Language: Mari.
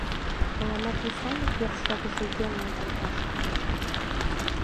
Мыланна кресаньык верч шогышо еҥым колташ кӱлеш.